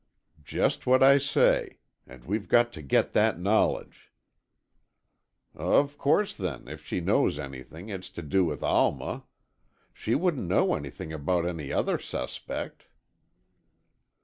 "Just what I say. And we've got to get that knowledge." "Of course, then, if she knows anything, it's to do with Alma. She couldn't know anything about any other suspect."